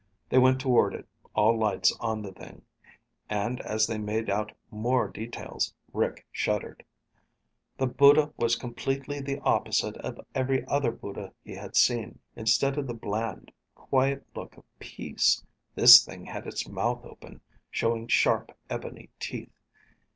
They went toward it, all lights on the thing, and as they made out more details, Rick shuddered. The Buddha was completely the opposite of every other Buddha he had seen. Instead of the bland, quiet look of peace, this thing had its mouth open, showing sharp ebony teeth.